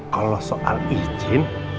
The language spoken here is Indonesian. kalau soal izin